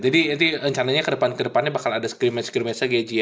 jadi nanti rencananya ke depan ke depannya bakal ada skrim match skrim match nya gaiji ya